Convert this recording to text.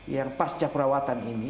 yang pasca perawatan ini